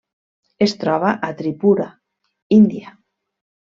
Es troba a Tripura, Índia.